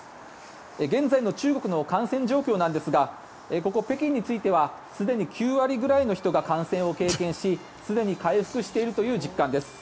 現在の中国の感染状況なんですがここ北京についてはすでに９割ぐらいの人が感染を経験しすでに回復しているという実感です。